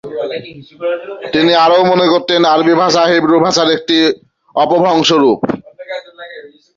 তিনি আরও মনে করতেন আরবি ভাষা হিব্রু ভাষার একটি অপভ্রংশ রূপ।